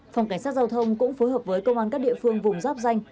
phòng cảnh sát giao thông cũng phối hợp với công an các địa phương vùng giáp danh